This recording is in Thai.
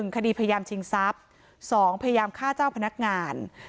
คดีพยายามชิงทรัพย์๒พยายามฆ่าเจ้าพนักงาน